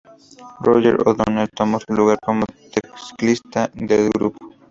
Roger O'Donell tomó su lugar como teclista del grupo.